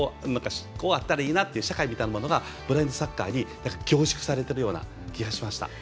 こうあったらいいなという社会みたいなものがブラインドサッカーに凝縮されている気がしました。